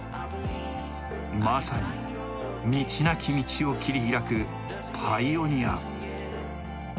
まさに、道なき道を切り開く、パイオニア。